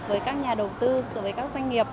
với các nhà đầu tư với các doanh nghiệp